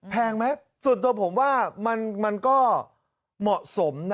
แพงไหมส่วนตัวผมว่ามันก็เหมาะสมนะ